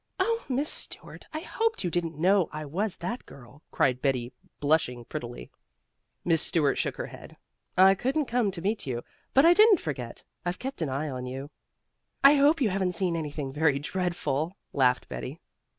"Oh, Miss Stuart, I hoped you didn't know I was that girl," cried Betty blushing prettily. Miss Stuart shook her head. "I couldn't come to meet you, but I didn't forget. I've kept an eye on you." "I hope you haven't seen anything very dreadful," laughed Betty.